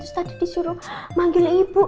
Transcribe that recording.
terus tadi disuruh manggil ibu